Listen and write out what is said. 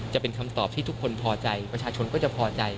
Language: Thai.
จะเป็นคำตอบที่ทุกคนพอใจประชาชนก็จะพอใจ